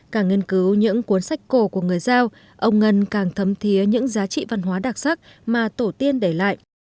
càng nghiên cứu những cuốn sách cổ của người giao ông ngân càng thấm thiế những giá trị văn hóa đặc sắc mà tổ tiên để lại